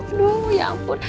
aduh ya ampun